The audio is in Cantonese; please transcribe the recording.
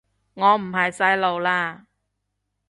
我唔係細路喇